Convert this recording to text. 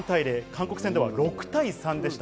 韓国戦では６対３でした。